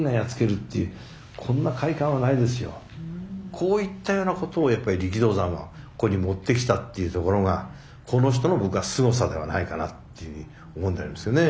こういったようなことをやっぱり力道山はここに持ってきたっていうところがこの人の僕はすごさではないかなっていうふうに思うんでありますよね。